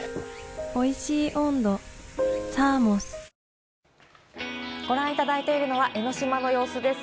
ニトリご覧いただいてるのは江の島の様子です。